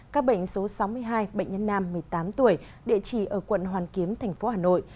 các bệnh số sáu mươi hai bệnh nhân nam một mươi tám tuổi địa chỉ ở quận hoàn kiếm thành phố hà nội